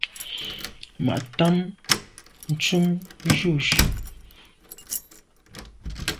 Ma’ ntùm jujù.